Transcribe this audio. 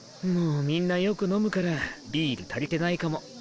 もうみんなよく飲むからビール足りてないかも。